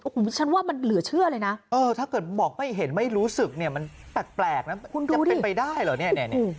ฉันว่ามันเหลือเชื่อเลยนะเออถ้าเกิดบอกไม่เห็นไม่รู้สึกเนี่ยมันแปลกนะจะเป็นไปได้เหรอเนี่ย